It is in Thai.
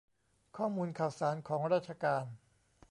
ข้อมูลข่าวสารของราชการ